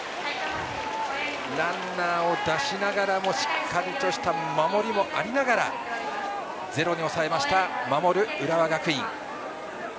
ランナーを出しながらもしっかりした守りもありながら０に抑えました、守る浦和学院。